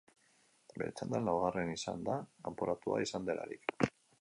Bere txandan laugarren izan da, kanporatua izan delarik.